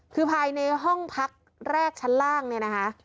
คือภายในห้องพักแรกชั้นล่างเนี่ยนะคะ